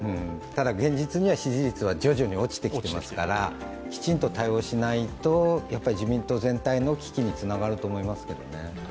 現実には支持率は徐々に落ちてきてますからきちんと対応しないと自民党全体の危機につながると思いますけどね。